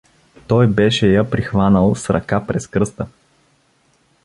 Той беше я прихванал с ръка през кръста.